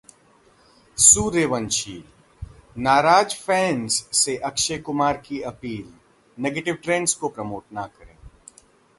सूर्यवंशी: नाराज फैंस से अक्षय कुमार की अपील- नेगेटिव ट्रेंड को प्रमोट ना करें